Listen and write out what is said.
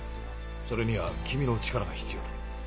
それには君の力が必要だ。